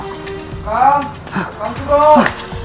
kang kang suruh